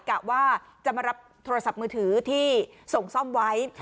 กะว่าจะมารับโทรศัพท์มือถือที่ส่งซ่อมไว้